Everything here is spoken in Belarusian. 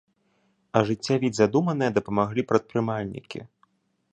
Ажыццявіць задуманае дапамаглі прадпрымальнікі.